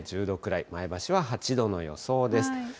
１０度くらい、前橋は８度の予想です。